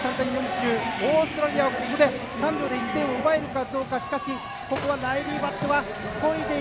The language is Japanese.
オーストラリアはここで３秒で１点を奪えるか。